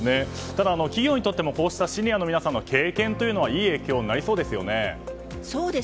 ただ、企業にとってもこうしたシニアの皆さんの経験はいい影響になりそうですよね？